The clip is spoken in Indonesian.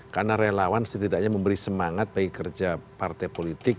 karena relawan setidaknya memberi semangat bagi kerja partai politik